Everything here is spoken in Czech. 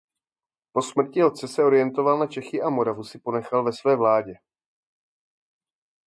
Po smrti otce se orientoval na Čechy a Moravu si ponechal ve své vládě.